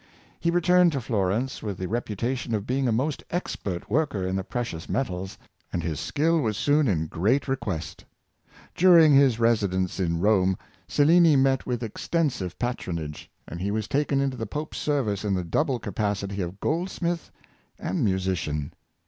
He returned to Florence with the repu tation of being a most expert worker in the precious metals, and his skill was soon in great request. Dur ing his residence in Rome, Cellini met with extensive patronage, and he was taken into the Pope's service in the double capacity of goldsmith and musician.